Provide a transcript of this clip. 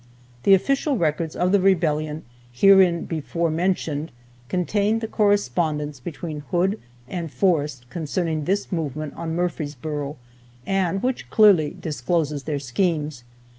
The Official Records of the Rebellion hereinbefore mentioned contain the correspondence between Hood and Forrest concerning this movement on Murfreesboro, and which clearly discloses their schemes.